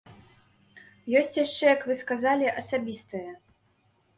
Ёсць яшчэ, як вы сказалі, асабістае.